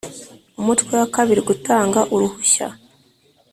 umutwe wa kabiri gutanga uruhushya